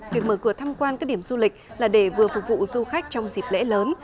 việc mở cửa tham quan các điểm du lịch là để vừa phục vụ du khách trong dịp lễ lớn